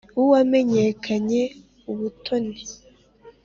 w'uwampekanye ubutoni